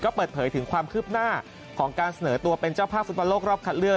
ก็เปิดเผยถึงความคืบหน้าของการเสนอตัวเป็นเจ้าภาพฟุตบอลโลกรอบคัดเลือก